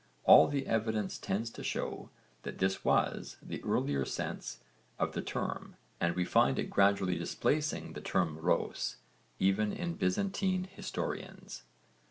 All the evidence tends to show that this was the earlier sense of the term and we find it gradually displacing the term 'Rhôs' even in Byzantine historians.